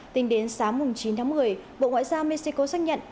tính đến sáng chín tháng một mươi bộ ngoại giao mexico xác nhận